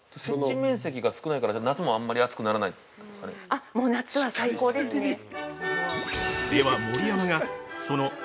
◆面積が少ないから、夏もあんまり暑くならないんですかね。